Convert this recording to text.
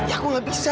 ya aku gak bisa